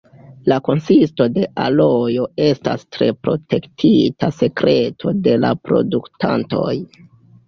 La konsisto de alojo estas tre protektita sekreto de la produktantoj.